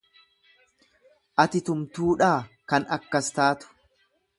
Ati tumtuudhaa kan akkas taatu